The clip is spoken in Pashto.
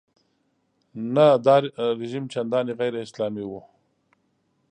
نه دا رژیم چندانې غیراسلامي و.